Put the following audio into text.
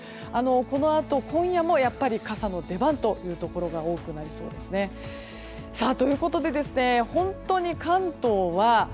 このあと今夜も傘の出番というところが多くなりそうですね。ということで本当に関東は